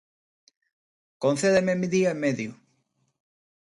Concédeme día e medio...